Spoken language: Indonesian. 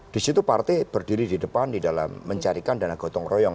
di situ partai berdiri di depan di dalam mencarikan dana gotong royong